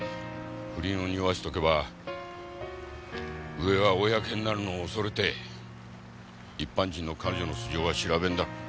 不倫をにおわせとけば上は公になるのを恐れて一般人の彼女の素性は調べんだろう。